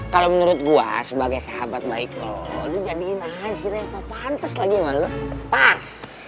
kalau menurut gue sebagai sahabat baik lo lo jadikan aja si reva pantes lagi sama lo pas